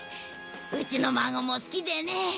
うちの孫も好きでねぇ。